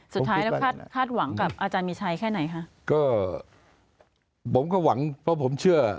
สุดท้ายแล้วคาดคาดหวังกับอาจารย์มีชัยแค่ไหนคะก็ผมก็หวังเพราะผมเชื่อ